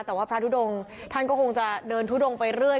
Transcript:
แต่ว่าพระทุดงท่านก็คงจะเดินทุดงไปเรื่อย